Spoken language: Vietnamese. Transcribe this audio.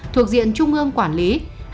thuộc diện trung ương quản lý